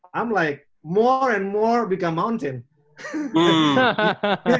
saya seperti lebih banyak lebih banyak menjadi gunung